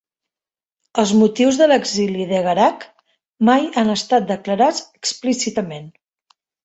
Els motius de l"exili de Garak mai han estat declarats explícitament.